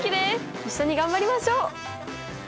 一緒に頑張りましょう！